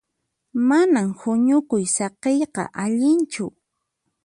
Manan huñukuy saqiyqa allinchu.